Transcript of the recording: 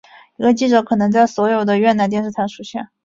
一个记者可能会在所有的越南电视台出现。